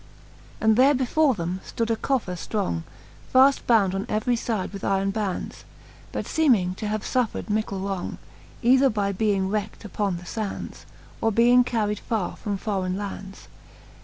And there before them ftood a coffer ftrong, Faft bound on every fide with iron bands, But feeming to have fuffred mickle wrong, Either by being wreckt upon the fands. Or being carried farre from forraine lands.